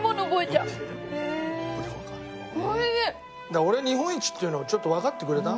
だから俺日本一って言うのがちょっとわかってくれた？